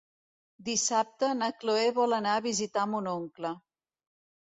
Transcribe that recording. Dissabte na Cloè vol anar a visitar mon oncle.